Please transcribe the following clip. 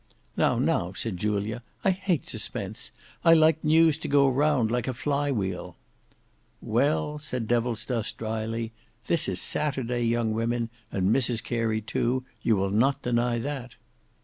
"Now, now," said Julia, "I hate suspense. I like news to go round like a fly wheel." "Well," said Devilsdust, dryly, "this is Saturday, young women, and Mrs Carey too, you will not deny that."